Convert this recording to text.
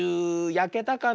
やけたかな。